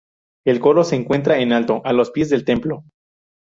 El coro se encuentra en alto, a los pies del templo.